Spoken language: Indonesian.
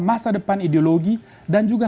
masa depan ideologi dan juga